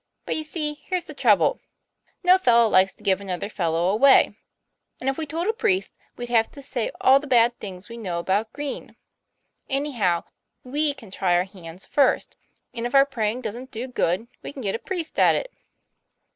' But you see here's the trouble; no fellow likes to give another fellow away. And if we told a priest, we'd have to say all the bad things we know about Green. Anyhow, we can try our hands first, and if our pray ing don't do good, we can get a priest at it."